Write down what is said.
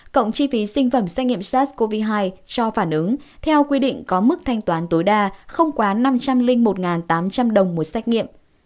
cộng chi phí sinh phẩm xét nghiệm sars cov hai cho phản ứng theo quy định có mức thanh toán tối đa không quá năm trăm linh một tám trăm linh đồng một xét nghiệm